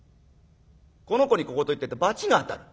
この子に小言言ってると罰が当たる。